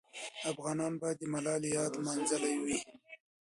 افغانان به د ملالۍ یاد لمانځلې وي.